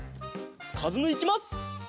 かずむいきます！